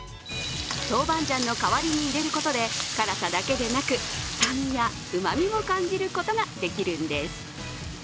豆板醤の代わりに入れることで、辛さだけでなく酸味やうまみも感じることができるんです。